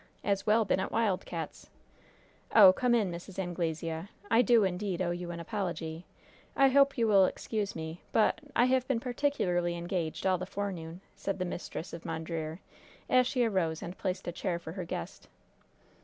As well been at Wild Cats'!" "Oh, come in, Mrs. Anglesea. I do, indeed, owe you an apology. I hope you will excuse me, but I have been particularly engaged all the forenoon," said the mistress of Mondreer, as she arose and placed a chair for her guest.